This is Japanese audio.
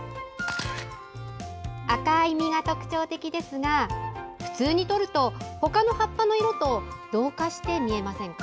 赤い実が特徴的ですが普通に撮るとほかの葉っぱの色と同化して見えませんか。